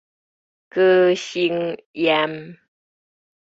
高成炎